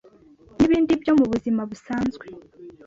n’ibindi byo mu buzima busanzwe